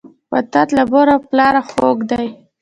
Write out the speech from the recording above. وطن له مور او پلاره خووږ دی.